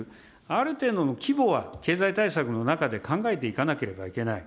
ある程度の規模は経済対策の中で考えていかなければいけない。